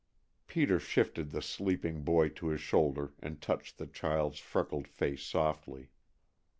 Peter shifted the sleeping boy to his shoulder and touched the child's freckled face softly.